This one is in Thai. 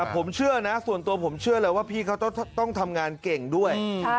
ผมเชื่อนะส่วนตัวผมเชื่อเลยว่าพี่เขาต้องทำงานเก่งด้วย